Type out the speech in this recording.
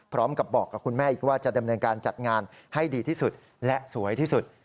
พร้อมกับบอกกับคุณแม่อีกว่าจะดำเนินการจัดงานให้ดีที่สุดและสวยที่สุด